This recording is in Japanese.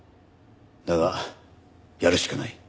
だがやるしかない。